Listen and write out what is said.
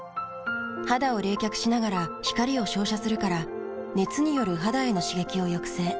肌を冷却しながら光を照射するから熱による肌への刺激を抑制。